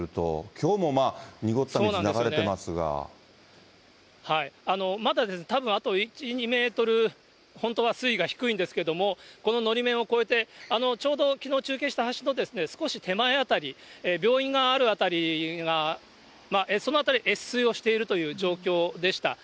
きょうもまあ、まだですね、たぶんあと１、２メートル、本当は水位が低いんですけれども、こののり面を越えて、ちょうどきのう中継した橋の少し手前辺り、病院がある辺りが、その辺り、越水をしているという状況でした。